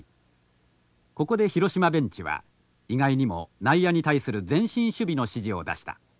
ここで広島ベンチは意外にも内野に対する前進守備の指示を出した。